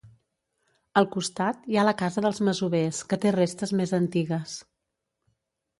Al costat hi ha la casa dels masovers que té restes més antigues.